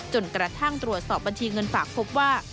กระทั่งตรวจสอบบัญชีเงินฝากพบว่า